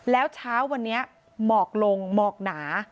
แล้วเช้าวันนี้หมอกลงหมอกหนา